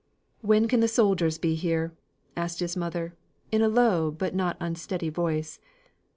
"When can the soldiers be here?" asked his mother, in a low but not unsteady voice.